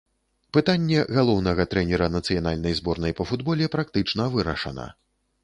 Пытанне галоўнага трэнера нацыянальнай зборнай па футболе практычна вырашана.